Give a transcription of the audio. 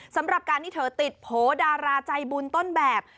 สำหรับการที่เธอติดโผล่ดาราใจบุญต้นแบบ